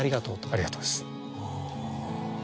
「ありがとう」です。